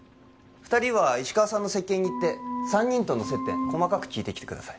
二人は石川さんの接見で三人との接点細かく聞いてください